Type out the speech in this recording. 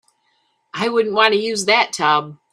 I wouldn't want to use that tub.